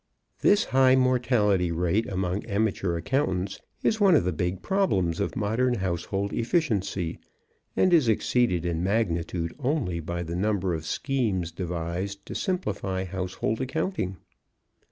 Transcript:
This high mortality rate among amateur accountants is one of the big problems of modern household efficiency, and is exceeded in magnitude only by the number of schemes devised to simplify household accounting.